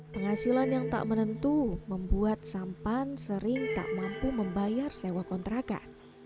penghasilan yang tak menentu membuat sampan sering tak mampu membayar sewa kontrakan